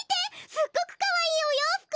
すっごくかわいいおようふく！